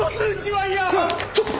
ちょっと！